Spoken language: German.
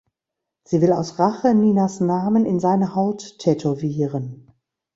Sie will aus Rache Ninas Namen in seine Haut tätowieren.